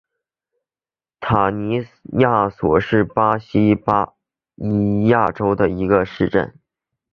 塔尼亚苏是巴西巴伊亚州的一个市镇。